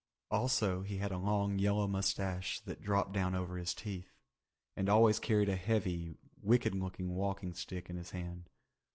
Also he had a long yellow mustache that dropped down over his teeth, and always carried a heavy, wicked looking walking stick in his hand.